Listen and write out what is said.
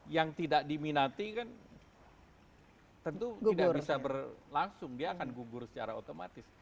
yang tidak diminati kan tentu tidak bisa berlangsung dia akan gugur secara otomatis